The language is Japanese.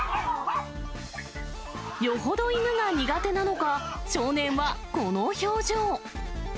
よほど犬が苦手なのか、少年はこの表情。